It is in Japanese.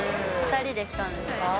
２人で来たんですか？